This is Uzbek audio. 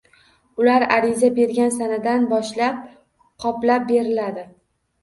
Ular ariza bergan sanadan boshlab qoplab beriladi.